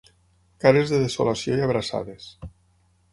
Cares de desolació i abraçades.